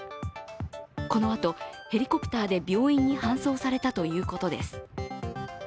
このあとヘリコプターで病院に搬送されたということです。